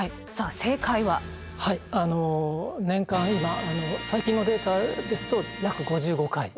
年間今最近のデータですと約５５回。